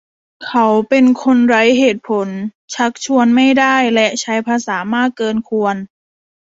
เขาเป็นคนไร้เหตุผล ชักชวนไม่ได้ และใช้ภาษามากเกินควร